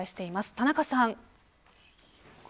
田中さん。